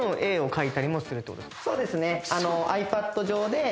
そうですね。